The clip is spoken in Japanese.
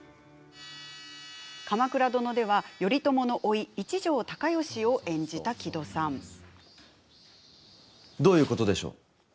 「鎌倉殿」では、頼朝のおい一条高能を演じたどういうことでしょう。